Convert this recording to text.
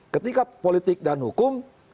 ketika politik dan hukum